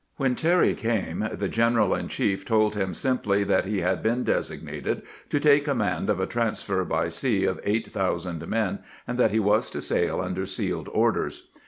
a CAPTUEE OF FORI? S'ISHEtl 36^ When Terry came the general in cMef told him simply that he had been designated to take command of a trans fer by sea of eight thousand men, and that he was to saU ■under sealed orders.